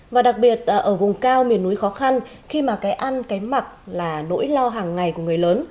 và đặc biệt ở vùng cao miền núi khó khăn khi mà cái ăn cái mặc là nỗi lo hàng ngày của người lớn